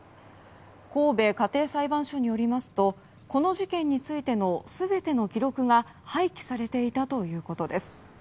神戸家庭裁判所によりますとこの事件についての全ての記録が廃棄されていたということです。